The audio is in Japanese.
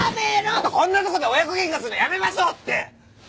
こんなとこで親子喧嘩するのやめましょうって！